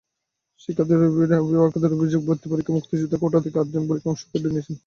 শিক্ষার্থীদের অভিভাবকদের অভিযোগ, ভর্তি পরীক্ষায় মুক্তিযোদ্ধা কোটা থেকে আটজন পরীক্ষায় অংশ নিয়েছিল।